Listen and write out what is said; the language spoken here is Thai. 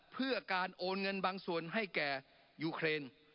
เพื่อการโอนเงินบางส่วนให้แก่ยูเครน